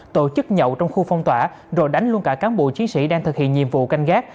tổ chức nhậu trong khu phong tỏa rồi đánh luôn cả cán bộ chiến sĩ đang thực hiện nhiệm vụ canh gác